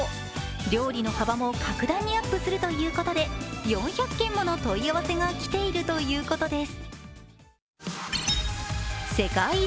料理の幅も格段にアップするということで４００件もの問い合わせが来ているということです。